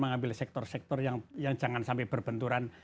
mengambil sektor sektor yang jangan sampai berbenturan